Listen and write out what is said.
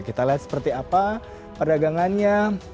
kita lihat seperti apa perdagangannya